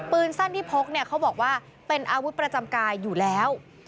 ปืนสั้นที่พกเนี่ยเขาบอกว่าเป็นอาวุธประจำกายอยู่แล้ว